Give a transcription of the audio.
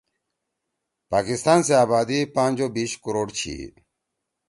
پاکستان سی آبادی پانچ او بیِش کروڑ چھی۔